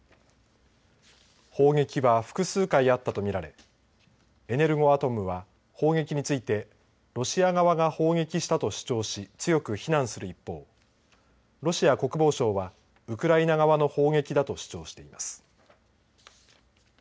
砲撃は複数回あったと見られエネルゴアトムは砲撃についてロシア側が砲撃したと主張し強く非難する一方ロシア国防省はウクライナ側の砲撃だと主張しています。